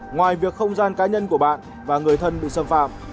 ngoài việc không gian cá nhân của bạn và người thân bị xâm phạm